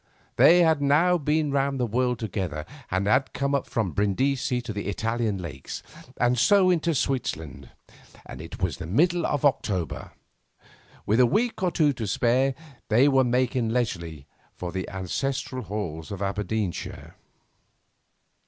They had now been round the world together and had come up from Brindisi to the Italian Lakes, and so into Switzerland. It was middle October. With a week or two to spare they were making leisurely for the ancestral halls in Aberdeenshire.